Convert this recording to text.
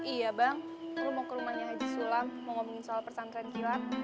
iya bang gue mau ke rumahnya haji sulam mau ngomong soal persantren kilat